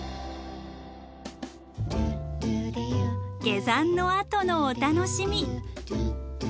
下山のあとのお楽しみ。